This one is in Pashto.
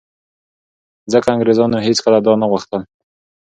ځکه انګرېزانو هېڅکله دا نه غوښتل